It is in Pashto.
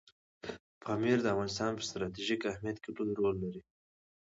پامیر د افغانستان په ستراتیژیک اهمیت کې لوی رول لري.